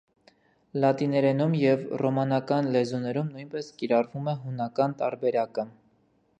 Լատիներենում և ռոմանական լեզուներում նույնպես կիրառվում է հունական տարբերակը։